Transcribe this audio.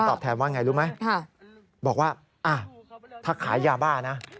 บอกว่าบอกว่าถ้าขายาบ้านะ